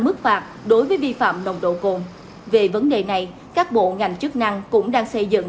mức phạt đối với vi phạm nồng độ cồn về vấn đề này các bộ ngành chức năng cũng đang xây dựng